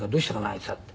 あいつは」って。